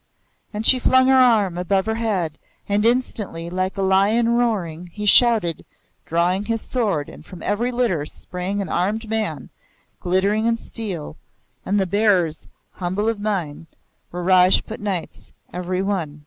And she flung her arm above her head, and instantly, like a lion roaring, he shouted, drawing his sword, and from every litter sprang an armed man, glittering in steel, and the bearers, humble of mien, were Rajput knights, every one.